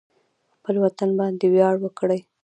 خپل وطن باندې ویاړ وکړئ